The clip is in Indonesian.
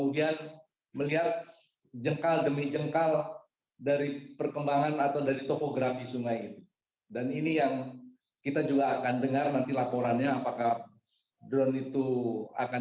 dan kami berkomunikasi dengan keluarga dan kedutaan